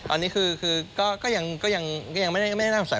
อันนี้คือก็ยังไม่ได้น่าสงสัย